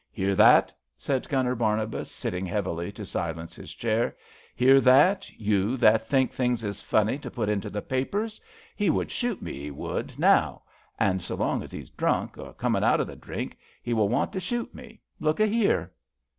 Hear that! '' said Gunner Barnabas, sitting heavily to silence his chair. Hear that, you that think things is funny to put into the papers ! He would shoot me, 'e would, now; an^ so long as he's drunk^ or comin' out o* the drink, 'e will want to shoot me. Looka here!